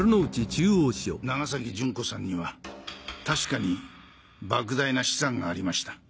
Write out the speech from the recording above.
長崎純子さんには確かに莫大な資産がありました。